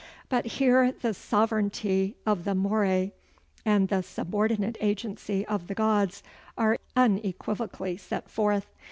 But here the sovereignity of the Moeræ, and the subordinate agency of the gods, are unequivocally set forth.